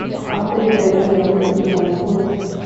After retiring, he opted to become a coach.